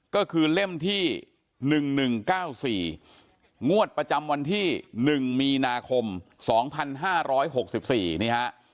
ก็คือเล่มที่๑๑๙๔งวดประจำวันที่๑มีนาคม๒๕๖๔นี่ฮะ